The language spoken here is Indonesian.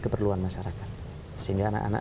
keperluan masyarakat sehingga anak anak